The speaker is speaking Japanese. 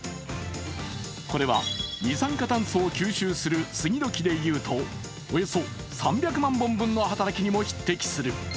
これは二酸化炭素を吸収する杉の木で言うとおよそ３００万本分の働きにも匹敵する。